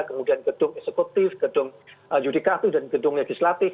kemudian gedung eksekutif gedung yudikatif dan gedung legislatif